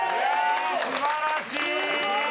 素晴らしい！